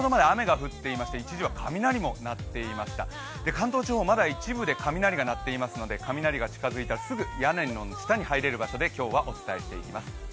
関東地方、まだ一部で雷が鳴っていますので雷が近づいたらすぐ屋根の下に入れる場所で今日はお伝えしていきます。